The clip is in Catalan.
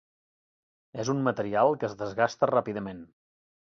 És un material que es desgasta ràpidament.